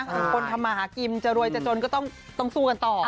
คนทำมาหากินจะรวยจะจนก็ต้องสู้กันต่อ